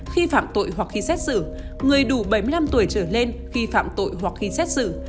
khi phạm tội hoặc khi xét xử người đủ bảy mươi năm tuổi trở lên khi phạm tội hoặc khi xét xử